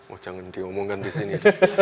oh jangan diomongkan di sini